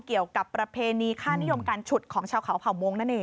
เกี่ยวกับประเพณีค่านิยมการฉุดของชาวเขาเผ่ามงค์นั่นเอง